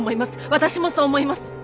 私もそう思います。